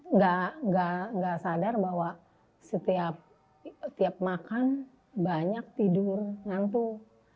nggak sadar bahwa setiap makan banyak tidur ngantuk